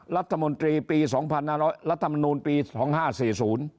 รัฐมนตรีปี๒๐๐๐รัฐมนตรีปี๒๕๔๐